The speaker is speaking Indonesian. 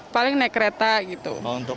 paling naik kereta gitu